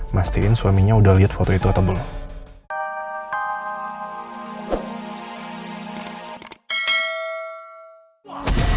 mastiin suaminya udah lihat foto itu atau belum